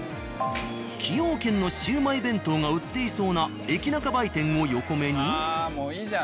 「崎陽軒」のシウマイ弁当が売っていそうな駅ナカ売店を横目に。